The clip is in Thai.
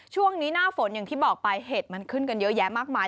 ช่วงนี้หน้าฝนอย่างที่บอกไปเห็ดมันขึ้นกันเยอะแยะมากมาย